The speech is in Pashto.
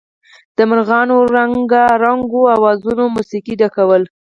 د مارغانو رنګارنګو اوازونو موسيقۍ ډکوله.